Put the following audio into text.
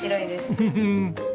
フフフ！